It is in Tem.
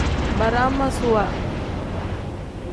Baramaasuwa.